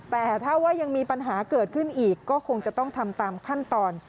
แต่ถ้าว่ายังมีปัญหาเกิดขึ้นอีกก็คงจะต้องทำตามขั้นตอน